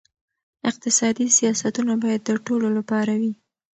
اقتصادي سیاستونه باید د ټولو لپاره وي.